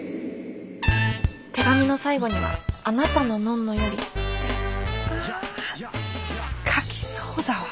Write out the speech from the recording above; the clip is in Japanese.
手紙の最後には「あなたののんのより」って。あ書きそうだわ。